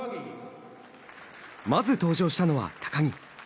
まず登場したのは高木。